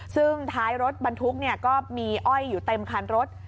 ซึ่งท้ายรถบรรทุกก็มีอ้อยอยู่เต็มคันรถ